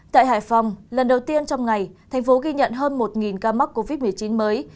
tại hải phòng lần đầu tiên trong ngày thành phố ghi nhận hơn một ca mắc covid một mươi chín mới